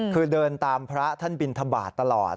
คือเดินตามพระท่านบินทบาทตลอด